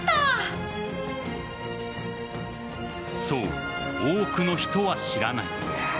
そう、多くの人は知らない。